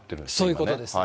そういうことです。